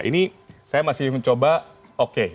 ini saya masih mencoba oke